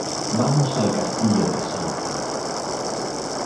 Vamos al Castillo de Santa.